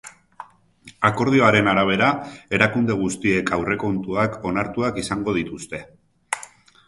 Akordioaren arabera, erakunde guztiek aurrekontuak onartuak izango dituzte.